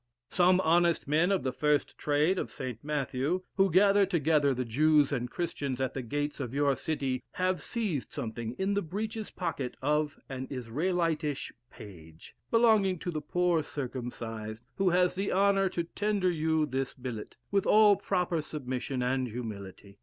Some honest men of the first trade of St. Matthew, who gather together the Jews and Christians at the gates of your city, have seized something in the breeches pocket of an Israelitish page, belonging to the poor circumcised, who has the honour to tender you this billet, with all proper submission and humility.